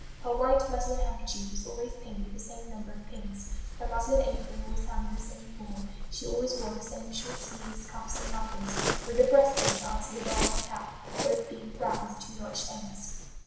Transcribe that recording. "Her white muslin handkerchief was always pinned with the same number of pins; her muslin apron always hung in the same form; she always wore the same short sleeves, cuffs, and ruffles, with a breast bow to answer the bow on her cap, both being flat with two notched ends."